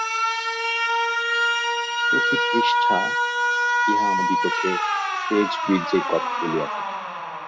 প্রতি পৃষ্ঠা ইহা আমাদিগকে তেজবীর্জের কথা বলিয়া থাকে।